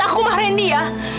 aku mahain dia